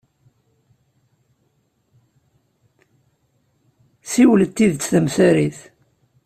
Ssiwlet tidet tamsarit.